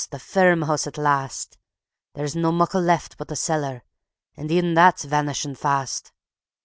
the ferm hoose at last; There's no muckle left but the cellar, an' even that's vanishin' fast.